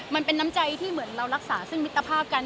มันเป็นน้ำใจที่เหมือนเรารักษาซึ่งมิตรภาพกัน